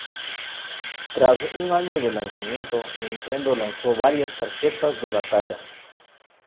Tras un año de su lanzamiento, Nintendo lanzó varias tarjetas de batalla.